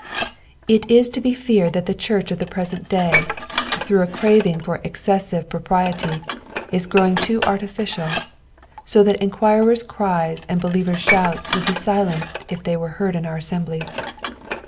It is to be feared that the church of the present day, through a craving for excessive propriety, is growing too artificial ; so that enquirers' cries and believers' shouts would be silenced if they were heard in our assemblies.